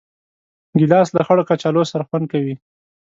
ګیلاس له خړ کچالو سره خوند کوي.